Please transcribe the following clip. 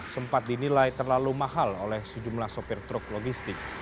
sempat dinilai terlalu mahal oleh sejumlah sopir truk logistik